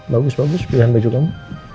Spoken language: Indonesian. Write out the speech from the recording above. bagus bagus pilihan baju kamu